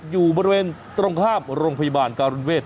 อยู่บริเวณตรงข้ามโรงพยาบาลการุณเวศ